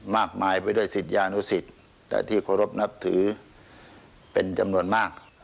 มากมายไปด้วยศิษยานุสิตแต่ที่เคารพนับถือเป็นจำนวนมาก